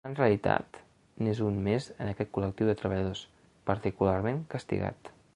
En realitat, n’és un més en aquest col·lectiu de treballadors, particularment castigat.